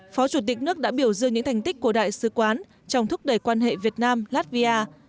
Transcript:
phó chủ tịch nước đã biểu dương những thành tích của đại sứ quán trong thúc đẩy quan hệ việt nam latvia